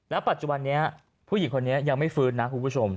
ปัจจุบันนี้ผู้หญิงคนนี้ยังไม่ฟื้นนะคุณผู้ชม